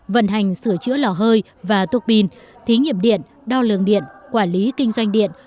vận hành sửa chữa lò hơi và tu pin thí nghiệm điện đo lường điện quản lý kinh doanh điện